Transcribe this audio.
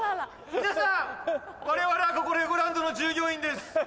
皆さん我々はここレゴランドの従業員です。